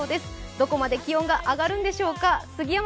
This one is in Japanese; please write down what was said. どこまで気温が上がるんでしょうか。